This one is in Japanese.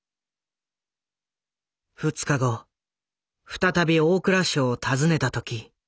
２日後再び大蔵省を訪ねた時。